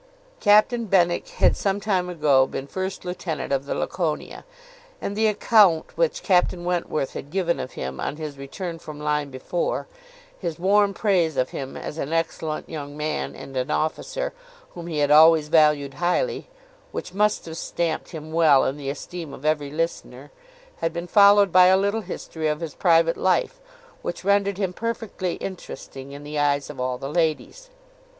Captain Benwick had some time ago been first lieutenant of the Laconia; and the account which Captain Wentworth had given of him, on his return from Lyme before, his warm praise of him as an excellent young man and an officer, whom he had always valued highly, which must have stamped him well in the esteem of every listener, had been followed by a little history of his private life, which rendered him perfectly interesting in the eyes of all the ladies.